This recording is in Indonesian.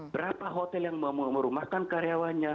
berapa hotel yang merumahkan karyawannya